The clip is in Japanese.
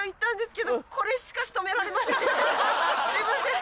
すいません！